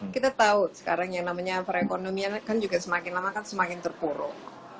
kita tahu sekarang yang namanya perekonomian kan juga semakin lama kan semakin terpuruk